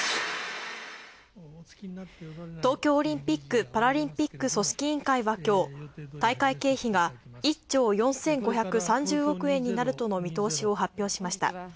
東京オリンピック・パラリンピック組織委員会は今日、大会経費が１兆４５３０億円になるとの見通しを発表しました。